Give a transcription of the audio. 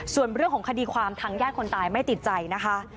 ส่วนเรื่องของคดีความทางญาติคนตายไม่ติดใจนะคะ